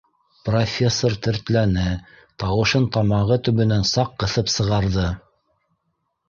Профессор тертләне, тауышын тамағы төбөнән саҡ ҡыҫып сыгарҙы: